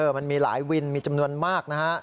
มันมีหลายวินมีจำนวนมากนะฮะ